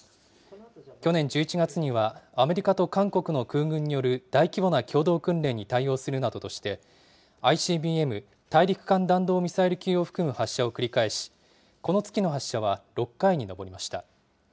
去年１１月には、アメリカと韓国の空軍による大規模な共同訓練に対応するなどとして、ＩＣＢＭ・大陸間弾道ミサイル級を含む発射を繰り返し、この月の発射は６回に上りました。